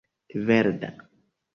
verda